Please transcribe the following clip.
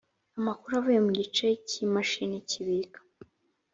amakuru avuye mu gice cy imashini kibika